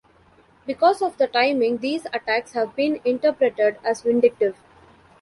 Because of the timing, these attacks have been interpreted as vindictive.